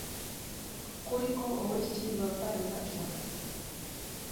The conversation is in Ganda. Kuliko Oweekitiibwa Viola Kiwuka